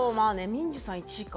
ミンジュさん１位か。